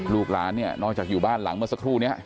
ลูกหลานเนี่ยนอกจากอยู่บ้านหลังเมื่อสักครู่นี้